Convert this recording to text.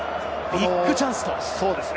ビッグチャンスです。